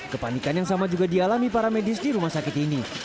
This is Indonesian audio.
kepanikan yang sama juga dialami para medis di rumah sakit ini